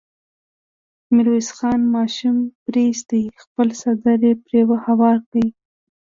ميرويس خان ماشوم پرې ايست، خپل څادر يې پرې هوار کړ.